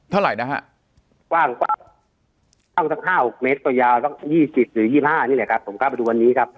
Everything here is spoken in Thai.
เท่าไหร่นะครับคว่าง๕๖เมตรกว่ายาว๒๐๒๕นี่เนี่ยครับผมก็ประมาณวันนี้ครับ